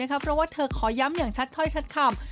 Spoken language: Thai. เพราะว่าเธอขอย้ำอย่างชัดถ้อยชัดคำ